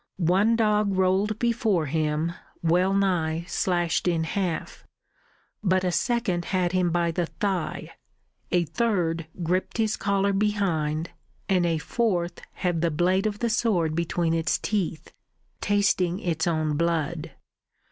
One dog rolled before him, well nigh slashed in half; but a second had him by the thigh, a third gripped his collar behind, and a fourth had the blade of the sword between its teeth, tasting its own blood.